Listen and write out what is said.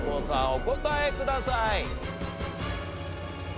お答えください。